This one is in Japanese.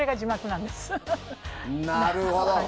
なるほど！